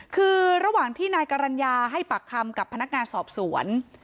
คือระหว่างที่นายกรรณญาให้ปากคำกับพนักงานสอบสวน